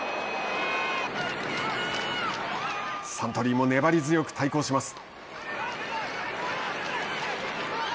サントリーも粘り強く対抗します。